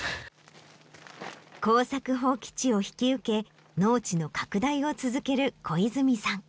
耕作放棄地を引き受け農地の拡大を続ける小泉さん。